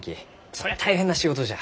そりゃあ大変な仕事じゃ。